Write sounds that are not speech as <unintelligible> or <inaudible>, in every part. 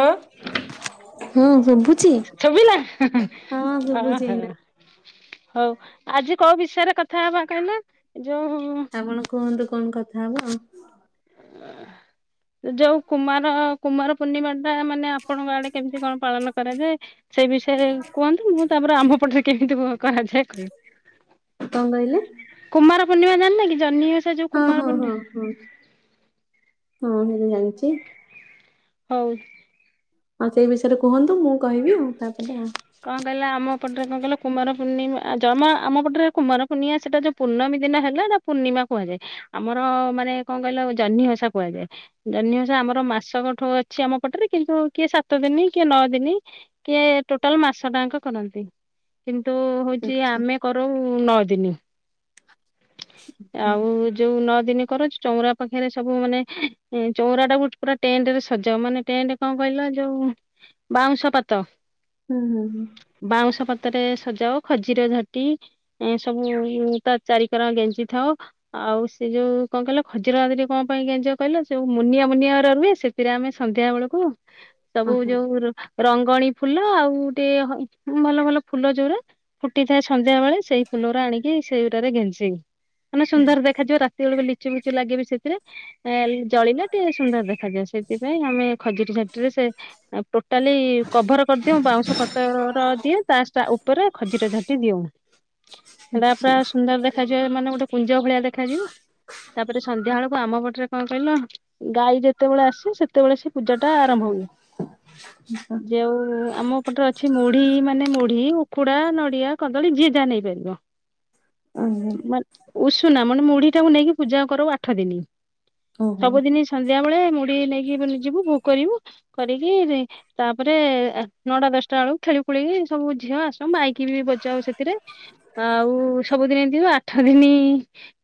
ଅଁ ହଁ ଶୁଭୁଛି? ଶୁଭିଲା ହଁ ଶୁଭୁଛି ଓହଃ ଏଇନା ହଉ ଆଜି କୋଉ ବିଷୟରେ କଥା ହବା କହିଲେ ଯୋଉ ଆପଣ କୁହନ୍ତୁ କଣ କଥା ହବା ଆଉ ଯୋଉ କୁମାର କୁମାର ପୂର୍ଣ୍ଣିମା ଟା ମାନେ ଆପଣଙ୍କ ଆଡେ କେମିତି କଣ ପାଳନ କରାଯାଏ। ସେଇ ବିଷୟରେ କୁହନ୍ତୁ ମୁଁ ତାପର ଆମ୍ଭ ପଟରେ କେମିତି କଣ କରାଯାଏ। କହିବି। କଣ କହିଲେ? କୁମାର ପୂର୍ଣ୍ଣିମା ଜାଣିନ କି ଜହ୍ନି ଯୋଉ ହଁ କୁମାର ହଁ ହଁ ପୂର୍ଣ୍ଣିମା ହଁ ହଁ ଜାଣିଛି। ହଉ ହଉ ସେଇ ବିଷୟରେ କୁହନ୍ତୁ ମୁଁ କହିବି ଆଉ ତାପରେ ଆଉ କଣ କହିଲା ଆମ ପଟରେ କଣ କହିଲ କୁମାର ପୂର୍ଣ୍ଣିମା ଜମ ଆମ ପଟରେ କୁମାର ପୂର୍ଣ୍ଣିମା ସେଟା ଯୋଉ ପୂର୍ଣ୍ଣମୀ ଦିନ ହେଲେ ତାକୁ ପୂର୍ଣ୍ଣିମା କୁହାଯାଏ ଆମର ମାନେ କଣ କହିଲ ଜହ୍ନି ଓଷା କୁହାଯାଏ। ଜହ୍ନି ଓଷା ଆମର ମାସକ ଠୁ ଅଛି ଆମ ପଟରେ କିନ୍ତୁ କିଏ ସାତ ଦିନ କିଏ ନଅ ଦିନି କିଏ ଟୋଟାଲ ମାସଟାଙ୍କକରନ୍ତି କିନ୍ତୁ ହଉଛି ଆଚ୍ଛା ଆମେ କରଉ ନଅ ଦିନ। ଆଚ୍ଛା ଆଉ ଯୋଉ ନଅ ଦିନ କରଛୁ ଚଉରା ପାଖରେ ସବୁ ମାନେ ଚଉରା ଟା ଗ ପୁରା ଟେଣ୍ଟରେ ସଜାଉ ମାନେ ଟେଣ୍ଟ କଣ କହିଲ ଯୋଉ ବାଉଁଶ ପାତ। ହୁଁ ହୁଁ ହୁଁ। ବାଉଁଶ ପାତରେ ସଜାଉ ଖଜିର ଝାଟି ଏ ସବୁ ତା ଚାରିିକର ଗେଞ୍ଜି ଥାଉ। ଆଉ ସେ ଯୋଉ କଣ କହିଲ ଖଜିରା ଆଦରେ କଣ ପାଇଁ ଗେଞ୍ଜ କହିଲ ସେ ଯୋଉ ମୁନିଆ ମୁନିଆ ରୁହେ ସେ ସେଥିରେ ଆମେ ସନ୍ଧ୍ୟା ବେଳକୁ ଅ ସବୁ ହଁ ଯୋଉ ରଙ୍ଗଣୀ ଫୁଲ ଆଉ ଗୋଟେ ଭଲ ଭଲ ଫୁଲ ଯୋଉ ଗୁରା। ଫୁଟିଥାଏ ସନ୍ଧ୍ୟା ବେଳେ ସେଇ ଫୁଲ ଗୁରା ଆଣିକି ସେଇ ଥିରେ ଗେଞ୍ଜି ମାନେ ସୁନ୍ଦର ଦେଖାଯିବ ରାତି ବେଳକୁ ଲିଚୁ ଫିଚୁ ଲାଗିବି ସେଥିରେ ଜଳିଲେ ଟି ସୁନ୍ଦର ଦେଖାଯାଏ ସେଥିପାଇଁ ଆମେ ଖଜୁରୀ ଝାଟିରେ ସେ ପୋ କାଲି କଭର କରିଦିଉ ବାଉଁଶ ପତର ଦିଏ ତା ଉପରେ ଖଜିର ଝାଟି ଦିଉ। ଆଚ୍ଛା। ସୁନ୍ଦର ଦେଖାଯିବ ମାନେ ଗୋଟେ କୁଞ୍ଜ ଭଳିଆ ଦେଖାଯିବ। ତାପରେ ସନ୍ଧ୍ୟା ବେଳକୁ ଆମ ପଟରେ କଣ କହିଲ ଗାଈ ଯେତେବେଳେ ଆସେ ସେତେ ସେତେବେଳେ ସେ ପୂଜା ଟା ଆରମ୍ଭ ହୁଏ ଯେଉଁ ଆମ ଏପଟରେ ଅଛି ମୁଢ଼ି ମାନେ ମୁଢ଼ି, ଉଖୁଡ଼ା, ନଡିଆ, କଦଳୀ ଯିଏ ଯାହା ନେଇ ପାରିବ। ଓହୋ। ଉଷୁନା ମାନେ ମୁଢ଼ି ଟାକୁ ନେଇକି ପୂଜା କରଉ ଆଠ ଦିନ ଓହୋ ସବୁଦିନ ସନ୍ଧ୍ୟା ବେଳେ ମୁଢ଼ି ନେଇକି ମାନେ ଯିବୁ ଭୋଗ କରିବୁ କରିକି ଯାଇ ତାପରେ ନଅଟା ଦଶଟା ବେଳକୁ ଖେଳି ଖୋଳିକି ସବୁ ଝିଅ ଆସଉ ମାଇକି ବି ବଜାଉ ସେଥିରେ। ଆଉ ସବୁଦିନ ଏମିତି ହୁଏ। ଆଠ ଦିନ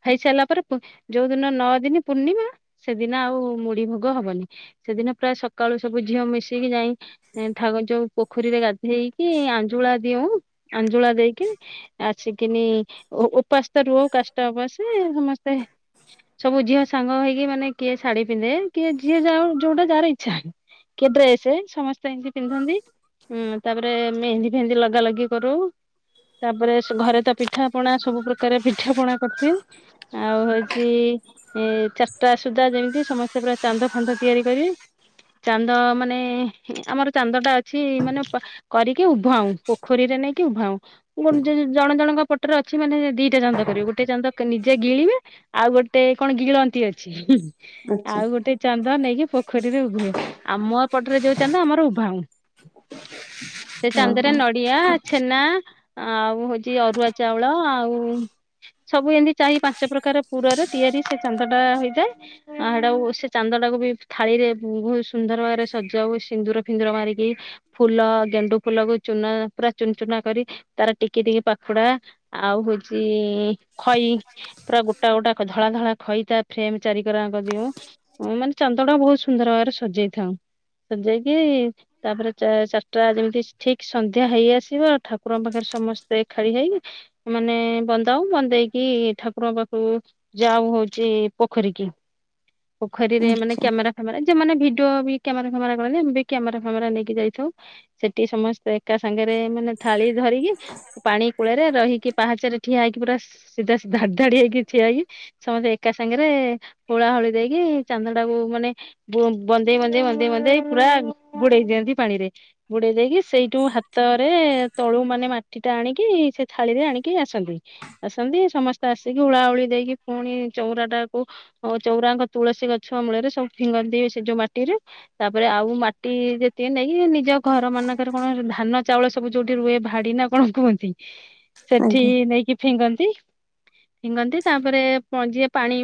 ହେଇସାରିଲା ପରେ ଯୋଉ ଦିନ ନଅ ଦିନ ପୂର୍ଣ୍ଣିମା ସେଦିନ ଆଉ ମୁଢ଼ି ଭୋଗ ହବନି। ସେଦିନ ପ୍ରାୟ ସକାଳୁ ସବୁ ଝିଅ ମିଶିକି ଯାଇଁ ଥାଉ ଯୋଉ ପୋଖରୀରେ ଗାଧେଇକି ଆଞ୍ଜୁଳା ଦିଉ ଆଞ୍ଜୁଳା ଦେଇକି ଆସିକିନି ଉପାସ ଟା ରହୁ କାଷ୍ଟା ଉପାସରେ ସମସ୍ତେ। ସବୁ ଝିଅ ସାଙ୍ଗ ହେଇକି ମାନେ କିଏ ଶାଢ଼ୀ ପିନ୍ଧେ କିଏ ଯିଏ ଯୋଉଟା ଯାହାର ଇଚ୍ଛା ହେଲା। କିଏ ଡ୍ରେସ ସମସ୍ତେ ଏମତି ପିନ୍ଧନ୍ତି ହଁ। ତାପରେ ମେହନ୍ଦି ଫେହେନ୍ଦି ଲଗା ଲଗି କରୁ, ତାପରେ ଘରେ ତ ପିଠା ପଣା ସବୁ ପ୍ରକାର ପିଠା ପଣା କରିଥିବେ, ଆଉ ହେଉଛି ଏ ଚାରିଟା ସୁଦ୍ଧା ଯେମିତି ସମସ୍ତେ ପୁରା ଚାନ୍ଦ ଫାନ୍ଦ ତିଆରି କରିବେ। ଚାନ୍ଦ ମାନେ ଆମର ଚାନ୍ଦଟା ଅଛି ମାନେ କରିକି ଉଭାଉଁ ପୋଖରୀରେ ନେଇକି ଉଭାଉଁ। ଜଣ ଜଣଙ୍କ ପ ରେ ଅଛି ମାନେ ଦିଟା ଚାନ୍ଦ କରିବେ ଗୋଟେ ଚାନ୍ଦ ନିଜେ ଗିଳିବେ। ଆଉ ଗୋଟେ କଣ ଗିଳନ୍ତି ଅଛି ଆଚ୍ଛା ଆଉ ଗୋଟେ ଚାନ୍ଦ ନେଇକି ପୋଖରୀରେ ଉଭେଇ ଆମ ପଟରେ ଯୋଉ ଚାନ୍ଦ ଆମର ଉଭାଉଁ। ସେ ଚାନ୍ଦରେ ଓହୋ ନଡ଼ିଆ, ଛେନା, ଆଉ ହଉଛି ଅରୁଆ ଚାଉଳ ଆଉ ସବୁ ଏମିତି ଚାରି ପାଞ୍ଚ ପ୍ରକାର ପୁରରେ ତିଆରି ସେ ଚାନ୍ଦଟା ହୋଇଥାଏ। ଆ ସେଟା ସେ ଚାନ୍ଦ ଟାକୁ ବି ଥାଳିରେ ବହୁତ ସୁନ୍ଦର ଭାବରେ ସଜାଉ ସିନ୍ଦୁର ଫିନ୍ଦୁର ମାରିକି। ଫୁଲ ଗେଣ୍ଡୁ ଫୁଲକୁ ଚୁନା ପୁରା ଚୁନ ଚୁନା କରି ତାର ଟିକି ଟିକି ପାଖୁଡ଼ା ଆଉ ହଉଛି ଖଇ ପୁରା ଗୋଟା ଗୋଟା ଧଳା ଧଳା ଖଇଟା ଫ୍ରେମ ଚାରି କରା ଙ୍କ ଦିଅଉଁ। ହଁ ମାନେ ଚାନ୍ଦ ଟା ବହୁତ ସୁନ୍ଦର ଭାବରେ ସଜେଇ ଥାଉ। ସଜେଇକି ତାପରେ ଚାରିଟା ଯେମିତି ଠିକ ସନ୍ଧ୍ୟା ହେଇ ଆସିବ ଠାକୁରଙ୍କ ପାଖରେ ସମସ୍ତେ ଏକାଠି ହେଇକି ମାନେ ବନ୍ଦାଉ ବନ୍ଦେଇକି ଠାକୁରଙ୍କ ପାଖକୁ ଯାଉ ହଉଛି ପୋଖରୀ କି ପୋଖରୀରେ ମାନେ ଆଚ୍ଛା କ୍ୟାମେରା ଯେଉଁମାନେ ଭିଡ଼ିଓ ବି କ୍ୟାମେରା ଫ୍ୟାମେରା କରନ୍ତି, ଆମେ ବି କ୍ୟାମେର ଫ୍ୟାମେରା ନେଇକି ଯାଇଥାଉ। ସେଠି ସମସ୍ତେ ଏକା ସାଙ୍ଗରେ ମାନେ ଥାଳି ଧରିକି ପାଣି କୂଳରେ ରହିକି ପାହାଚାରେ ଠିଆ ହେଇକି ପୁର ସିଧା ଧାଡି ଧାଡି ହେଇକି ଠିଆ ହେଇକି ସମସ୍ତେ ଏକା ସାଙ୍ଗରେ ହୁଳା ହୋଳି ଦେଇକି ଚାନ୍ଦ ଟାକୁ ମାନେ ବନ୍ଦେଇ ବନ୍ଦେଇ ବନ୍ଦେଇ ବନ୍ଦେଇ ପୁରା ବୁଡେଇ ଦିଅନ୍ତି ପାଣିରେ। ବୁଡେଇ ଦେଇକି ସେଇଠୁ ହାତରେ ତଳୁ ମାନେ ମାଟି ଟା ଆଣିକି ସେ ଥାଳିରେ ଆଣିକି ଆସନ୍ତି ଆସନ୍ତି ସମସ୍ତେ ଆସିକି ଉଳାଉଳି ଦେଇକି ପୁଣି ଚଉରା ଟାକୁ ଆଉ ଚଉରାଙ୍କ ତୁଳସୀ ଗଛ ମୂଳରେ ସବୁ ଫିଙ୍ଗନ୍ତି ସେ ଯୋଉ ମାଟିରେ। ତାପରେ ଆଉ ମାଟି ଯେତିକି ନେଇକି ନିଜ ଘର ମାନଙ୍କରେ କଣ ଧାନ ଚାଉଳ ସବୁ ଯୋଉଠି ରୁହେ ଭାଡି ନା କଣ କୁହନ୍ତି? ସେଠି ଆଜ୍ଞା ନେଇକି ଫିଙ୍ଗନ୍ତି। ଫିଙ୍ଗନ୍ତି ତାପରେ ପ ଯିଏ ପାଣି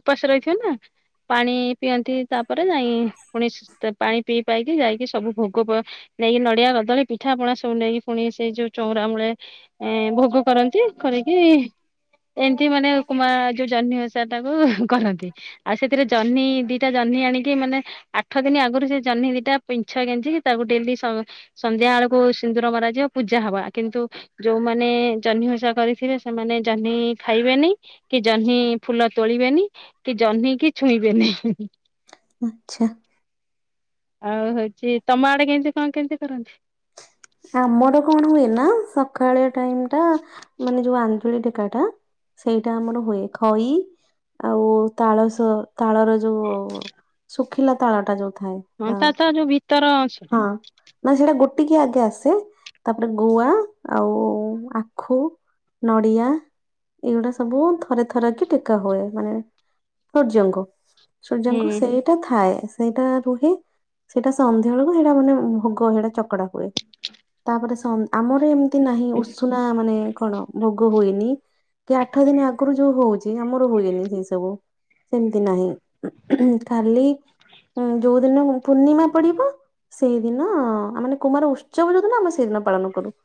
ଉପାସ ରହିଥିବ ନା। ପାଣି ପିଅନ୍ତି ତାପରେ ଯାଇ ପୁଣି ପାଣି ପିଇ ପାଇକି ଯାଇକି ସବୁ ଭୋଗ ନେଇକି ନଡିଆ, କଦଳୀ, ପିଠା, ପଣା ସବୁ ନେଇକି ପୁଣି ସେଇ ଯୋଉ ଚଉଁରା ମୂଳେ ଏ ଭୋଗ କରନ୍ତି, କରିକି ଏମିତି ମାନେ କୁମା ଯୋଉ ଜହ୍ନିିବ ଓସା ଟାକୁ କରନ୍ତି। ଆଉ ସେଥିରେ ଜହ୍ନି ଦିଟା ଜହ୍ନି ଆଣିକି ମାନେ ଆଠ ଦିନ ଆଗରୁ ସେ ଜହ୍ନି ଦିଟା ପିଛ କେଜିିକ ତାକୁ ଡେଲି ସ ସନ୍ଧ୍ୟା ବେଳକୁ ସିନ୍ଦୁର ମାରା ଯିବ ପୂଜା ହବ। କିନ୍ତୁ ଯୋଉମାନେ ଜହ୍ନି ଓଷା କରିଥିବେ ସେମାନେ ଜହ୍ନି ଖାଇବେନି। କି ଜହ୍ନି ଫୁଲ ତୋଳିବେନି କି ଜହ୍ନି କି ଛୁଇଁବେନି। ଆଚ୍ଛା। ଆଉ ହଉଛି ତମ ଆଡ଼େ କେମତି କଣ କେମିତି କରନ୍ତି? ସାମର କଣ ହୁଏ ନା ସକାଳେ ଟାଇମ୍ ଟା ମାନେ ଯୋଉ ଆଞ୍ଜୁଳି ଟେକାଟା ସେଇଟା ଆମର ହୁଏ ଖଇ। ଆଉ ତାଳସ ତାଳର ଯୋଉ ଶୁଖିଲା ତାଳ ଟା ଯୋଉ ଥାଏ। ହଁ ତା ତ ଯୋଉ ଭିତର ଅଂଶଟା ହଁ। ନା ସେଇଟା ଗୋଟି କିିଆ ଆଗେ ଆସେ ତାପରେ ଗୁଆ ଆଉ ଆଖୁ। ନଡ଼ିଆ ଏଇଗୁଡ଼ା ସବୁ ଥରେ ଥରେ କି ଟେକା ହୁଏ ମାନେ ସୂର୍ଯ୍ୟଙ୍କୁ ସୂର୍ଯ୍ୟଙ୍କୁ ହୁଁ ସେଇଟା ଥାଏ ସେଇଟା ରୁହେ ସେଇଟା ସନ୍ ନ୍ଧ୍ୟା ବେଳକୁ ସେଇଟା ମାନେ ଭୋଗ ହେଟା ଚକଡ଼ା ହୁଏ ତାପରେ ସନ୍ ଆମର ହେମ୍ ନାହିଁ ଉଷୁନା ମାନେ କଣ ଭୋଗ ହୁଏନି କି ଆଠ ଦିନ ଆଗରୁ ଯୋଉ ଭୋ ହଉଛି ଆମର ହୁଏନି ସେ ସବୁ ସେମିତି ନାହିଁ। <unintelligible> ଖାଲି ଯୋଉଦିନ ପୂର୍ଣିମା ପଡ଼ିବ। ସେଇଦିନ ମାନେ କୁମାର ଉତ୍ସବ ଯୋଉଦିିନ ଆମେ ସେଇଦିନ ପାଳନ କରୁ।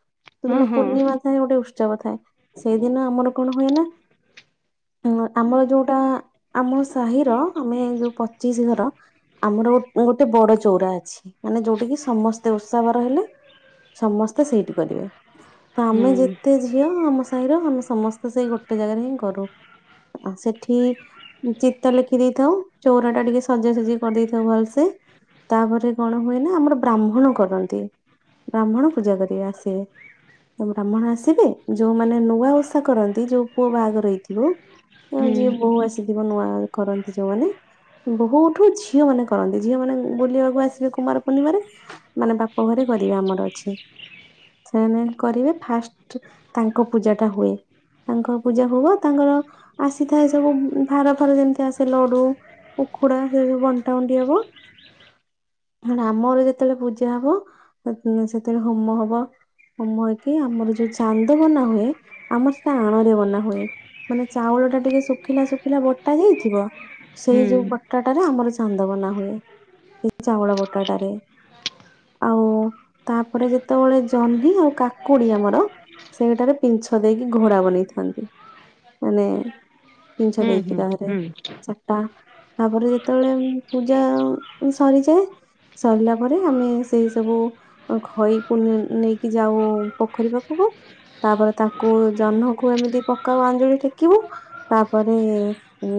ହଁ ସେଦିନ ହଁ ପୂର୍ଣ୍ଣିମା ଥାଏ ଗୋଟେ ଉତ୍ସବ ଥାଏ ସେଇଦିନ ଆମର କଣ ହୁଏ ନା <unintelligible> ଆମର ଯୋଉଟା ଆମ ସାହିର ଆମେ ଯୋଉ ପଚିଶି ଘର ଆମର ଗୋ ଗୋଟେ ବଡ଼ ଚଉରା ଅଛି ମାନେ ଯୋଉଠି କିି ସମସ୍ତେ ଓଷା ବାର ହେଲେ ସମସ୍ତେ ସେଇଠି କରିବେ ତ ହୁଁ ଆମେ ଯେତେ ଝିଅ ଆମ ସ ସାହିର ଆମେ ସମସ୍ତେ ସେଇ ଗୋଟେ ଜାଗାରେ ହିଁ କରୁ ଓ ସେଠି ଚିତା ଲେଖି ଦେଇଥାଉ ଚଉରା ଟା ଟିକେ ସଜାସଜି କରିଦେଇଥାଉ ଭଲସେ ତାପରେ କଣ ହୁଏ ନା ଆମର ବ୍ରାହ୍ମଣ କରନ୍ତି ବ୍ରାହ୍ମଣ ପୂଜା କରିବେ ଆସିବେ। ବ୍ରାହ୍ମଣ ଆସିବେ ଯୋଉମାନେ ନୂଆ ଓଷା କରନ୍ତି ଯୋଉ ପୁଅ ବାହାଘର ହେଇଥିବ ହଁ ହୁଁ ଯିଏ ବହୁ ଆସ ଥିବ ନୂଆ କରନ୍ତି ଯୋଉମାନେ ବହୁଠୁ ଝିଅ ମାନେ କରନ୍ତି ଝିଅ ମାନେ ବୁଲିବାକୁ ଆସ ସିବେ କୁମାର ପୂର୍ଣ୍ଣିମାରେ ମାନେ ବାପ ଘରେ କରିବେ ଆମର ଅଛି। ସେମାନେ କରିବେ ଫାଷ୍ଟ ତାଙ୍କ ପୂଜା ଟା ହୁଏ। ତାଙ୍କ ପୂଜା ଭୋଗ ତାଙ୍କର ଆସିଥାଏ ସବୁ ଭାର ଫାର ଯେମିତି ଆସେ ଲଡ଼ୁ। ଉଖୁଡ଼ା ସବୁ ବଣ୍ଟା ବଣ୍ଟି ହବ। ମାନେ ଆମର ଯେତେବେଳେ ପୂଜା ହବ <unintelligible> ସେତେବେଳେ ହୋମ ହବ। ହୋମ ହେଇକି ଆମର ଯୋଉ ଚାନ୍ଦ ବନା ହୁଏ ଆମର ସେଟା ଆଣ ରେ ବନା ହୁଏ। ମାନେ ଚାଉଳ ଟା ଟିକେ ଶୁଖିଲା ଶୁଖିଲା ବଟା ଯାଇଥିବ। ସେଇ ହୁଁ ଯୋଉ ବଟାଟାରେ ଆମର ଚାନ୍ଦ ବନା ହୁଏ ସେଇ ଚାଉଳ ବଟାଟାରେ। ଆଉ ତାପରେ ଯେତେବେଳେ ଜହ୍ନି ଆଉ କାକୁଡ଼ୀ ଆମର ସେଇଟାରେ ପିଂଛ ଦେଇକି ଘୋଡ଼ା ବନେଇଥାନ୍ତି ମାନେ ହୁଁ ହୁଁ <unintelligible> ଚାରିଟା ହୁଁ ତାପରେ ଯେତେବେଳେ ପୂଜା ସରିଯାଏ ସରିଲା ପରେ ଆମେ ସେଇ ସବୁ ଅ ଖଇକୁ ନେ ନେଇକି ଯାଉ ପୋଖରୀ ପାଖୁକୁ ତାପରେ ତାକୁ ଜହ୍ନକୁ ଏମିତି ପକାଉ ଆଞ୍ଜୁଳି ଟେକିବୁ ତାପରେ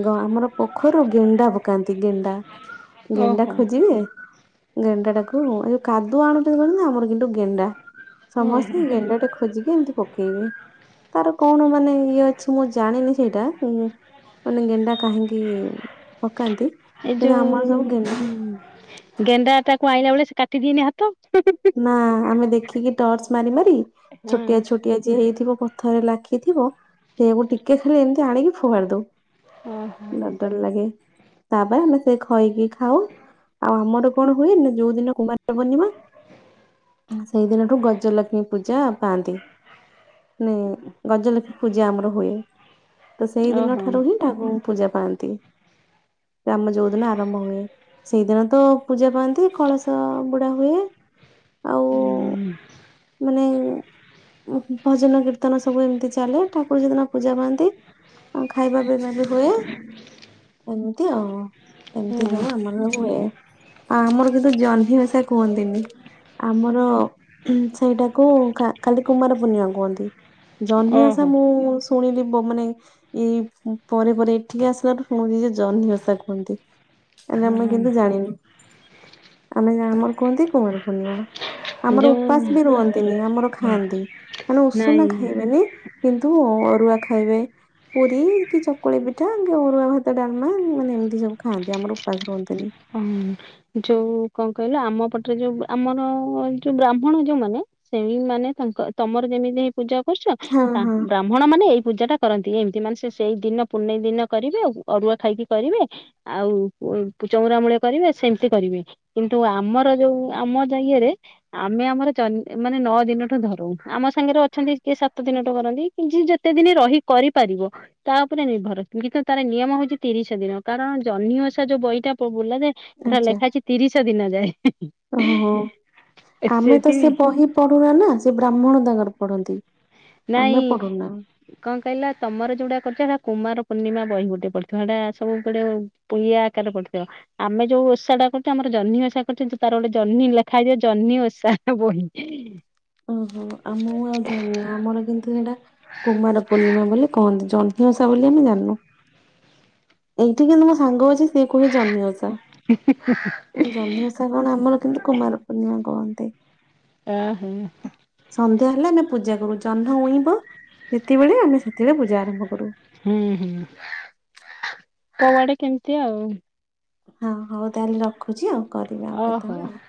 ଗ ଆମର ପୋଖରୀରୁ ଗେଣ୍ଡା ପକାନ୍ତି ଗେଣ୍ଡା। ଗେଣ୍ଡା ଓହୋ। ଖୋଜିବେ ଗେଣ୍ଡା ଟାକୁ ଏଇ କାଦୁଅ ଆଣୁଛନ୍ତି <unintelligible> ଆମର କିନ୍ତୁ ଗେଣ୍ଡା। ଓହୋ ସମସ୍ତେ ଗେଣ୍ଡ ଟେ ଖୋଜିକି ଏମିତି ପକେଇବେ। ତାର କଣ ମାନେ ଇଏ ଅଛି ମୁଁ ଜାଣିନି ସେଇଟା, ହୁଁ ମାନେ ଗେଣ୍ଡା କାହିଁକି ପକାନ୍ତି? ଏଇ କିନ୍ତୁ ଆମର ସବୁ ଗେଣ୍ଡା ଯୋଉ ଗେଣ୍ଡା ଟାକୁ ଆଇଁଲା ବେଳେ, ସେ କାଟିଦିଏନି ହାତ? ହୁଁ ହୁଁ ହୁଁ। ନା ଆମେ ଦେଖିକି ଟର୍ଚ ମାରି ମାରି, ଛୋଟିଆ ଛୋଟିଆ ଯିଏ ହେଇଥିବ ପଥର ରେ ଲାଖିଥିବ, ସେଇଆକୁ ଟିକେ ଖାଲି ଏମିତି ଆଣିକି ଫୋପାଡ଼ି ଦବୁ। ଓହୋ ନା ଡର୍ ଲାଗେ। ତାପରେ ଆମେ ସେ ଖଇକି ଖାଉ, ଆଉ ଆମର କଣ ହୁଏ ଯୋଉ ଦିନ କୁମାରୀ ପୂର୍ଣ୍ଣିମା ସେଇଦିନଠୁ ଗଜଲକ୍ଷ୍ମୀ ପୂଜା ପାଆନ୍ତି। ମାନେ ଗଜଲକ୍ଷ୍ମୀ ପୂଜା ଆମର ହୁଏ, ତ ସେଇ ଦିନ ଠାରୁ ହିଁ ଠାକୁ ପୂଜା ପାଆନ୍ତି, ଏ ଆମ ଯୋଉଦିନ ଆରମ୍ଭ ହୁଏ। ସେଇଦିନ ତ ପୂଜା ପାଆନ୍ତି, କଳସ ଗୁଡା ହୁଏ। ହୁଁ ଆଉ ମାନେ ଭଜନ କୀର୍ତ୍ତନ ସବୁ ଏମିତି ଚାଲେ, ଠାକୁର ସେଦିନ ପୂଜା ପାଆନ୍ତି। ହଁ ଖାଇବା ପିଇବା ବି ହୁଏ। ଏମିତି ଆଉ, ଏମିତି ସବୁ ଆମର ହୁଏ। ଆମର କିନ୍ତୁ ଜହ୍ନି ଓଷା କୁହନ୍ତିନି, ଆମର ସେଇଟାକୁ ଖା ଖାଲି କୁମାର ପୂର୍ଣ୍ଣିମା କୁହନ୍ତି, ଜହ୍ନିଓଷା ଓହୋ ମୁଁ ଶୁଣିଲି, ମୁଁ ମାନେ ଏଇ ପରେ ପରେ, ଏଠିକି ଆସିଲାରୁ ଶୁଣିଲି ଯେ, ଜହ୍ନି ଓଷା କୁହନ୍ତି। ଆ ଆମେ ହଁ କିନ୍ତୁ ଜାଣିନୁ, ଆମେ ଆମର କୁହନ୍ତି କୁମାର ପୂର୍ଣ୍ଣିମା। ଆମର ଯେଉଁ ଉପାସ ବି ରୁହନ୍ତିନି, ଆମର ଖାଆନ୍ତି, ମାନେ ଉଷୁନା ନାଇଁ ଖାଇବେ ନି କିନ୍ତୁ ଅରୁଆ ଖାଇବେ। ପୁରୀ କି ଚକୁଳି ପିଠା, କି ଅରୁଆ ଭାତ ଡାଲମା, ମାନେ ଏମିତି ସବୁ ଖାଆନ୍ତି, ଆମର ଉପାସ ରୁହନ୍ତିନି। ହୁଁ, ଯୋଉ କଣ କହିଲ, ଆମ ପଟରେ ଯୋଉ ଆମର ଯୋଉ ବ୍ରାହ୍ମଣ ଯୋଉମାନେ ସେଇ ମାନେ ତାଙ୍କ ତମର ଯେମିତି ହେଇ ପୂଜା କରୁଚ, ହଁ ତାଙ୍କ୍ ବ୍ରା ହଁ ବ୍ରାହ୍ମଣ ମାନେ ଏଇ ପୂଜା ଟା କରନ୍ତି ଏମିତି, ମାନେ ସେ ସେଇ ଦିନ ପୂନେଇଁ ଦିନ କରିବେ, ଅରୁଆ ଖାଇକି କରିବେ ଆଉ ଏମିତି। ଚଉରା ମୂଳେ କରିବେ ସେମିତି କରିବେ କିନ୍ତୁ ଆମର ଯୋଉ ଆମ ଜାଇଏରେ ଆମେ ଆମର ଜହ୍ନି୍ ମାନେ ନଅ ଦିନଠୁ ଧରୁ, ଆମ ସାଙ୍ଗରେ ଅଛନ୍ତି କିଏ ସାତ ଦିନଠୁ କରନ୍ତି। ଯିଏ ଯେତେ ଦିନି ରହି କରିପାରିବ? ତା ଉପରେ ନିର୍ଭର ଅ କିନ୍ତୁ ତାର ନିୟମ ହଉଛି ତିରିଶ ଦିନ, କାରଣ ଜହ୍ନି ଓଷା ଯୋଉ ବହିଟା ବୋଲା ଯାଏ ସେଟା ଆଚ୍ଛା ଲେଖା ଅଛି ତିରିଶ ଦିନ ଯାଏ, ଓହୋ। ଆମେ ତ ସେଠି ସେ ବହି ପଢୁନା ନା, ସେ ବ୍ରାହ୍ମଣ ତାଙ୍କର ପଢନ୍ତି। ନାଇଁ ଆମେ ପଢୁନା। କଣ କହିଲ, ତମର ଯୋଉଟା କରୁଚ, ହେଟା କୁମାର ପୂର୍ଣ୍ଣିମା ବହି ଗୋଟେ ପଡିଥିବ, ସେଟା ସବୁ ଗୁଡେ <unintelligible> ଆକାରରେ ପଢିଥିବ ଆମେ ଯୋଉ ଓଷା ଟା କରୁଚୁ, ଆମର ଜହ୍ନି ଓଷା କରୁଚୁ, ତାର ଗୋଟେ ଜହ୍ନି ଲେଖା ହେଇଥିବ ଜହ୍ନି ଓଷା ବହି। ଓହୋ, ଆଉ ମୁଁ ଆଉ ଜାଣିନି, ଆମର କିନ୍ତୁ ସେଇଟା କୁମାର ପୂର୍ଣ୍ଣିମା ବୋଲି କହନ୍ତି, ଜନ୍ ଜହ୍ନି ଓଷା ବୋଲି ଆମେ ଜାଣିନୁ, ଏଇଠି କିନ୍ତୁ ମୋ ସାଙ୍ଗ ଅଛି, ସିଏ କହେ ଜହ୍ନି ଓଷା। <unintelligible> ମୁଁ ଜହ୍ନି ଓଷା କଣ, ଆମର କିନ୍ତୁ କୁମାର ପୂର୍ଣ୍ଣିମା କୁହନ୍ତି। <unintelligible> ସନ୍ଧ୍ୟା ହେଲେ ଆମେ ପୂଜା କରୁ, ଜହ୍ନ ଉଇଁବ ଯେତେବେଳେ, ଆମେ ସେତବେଳେ ପୂଜା ଆରମ୍ଭ କରୁ। ହୁଁ ହୁଁ, କୁଆଡେ କେମିତି ଆଉ। ହଁ ହଉ ତାହେଲେ ରଖୁଛି ଆଉ କରିବି ଆଉ ଓହୋ। କେତେବେଳେ ଆଉ।